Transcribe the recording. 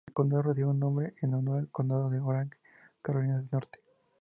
El condado recibe su nombre en honor al condado de Orange, Carolina del Norte.